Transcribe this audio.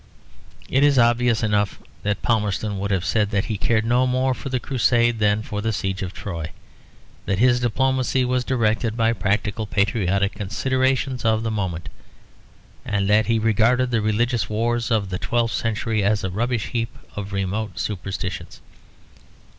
It is obvious enough that Palmerston would have said that he cared no more for the Crusade than for the Siege of Troy; that his diplomacy was directed by practical patriotic considerations of the moment; and that he regarded the religious wars of the twelfth century as a rubbish heap of remote superstitions.